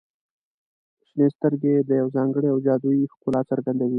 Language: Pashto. • شنې سترګې د یو ځانګړي او جادويي ښکلا څرګندوي.